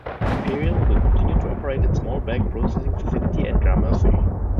Imperial will continue to operate a small-bag processing facility at Gramercy.